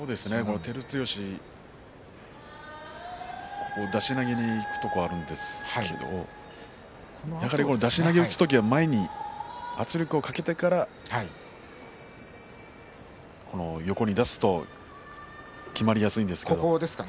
照強、出し投げにいくところがあるんですがやはり出し投げを打つ時は前に圧力をかけてから横に出すときまりやすいんですけれども。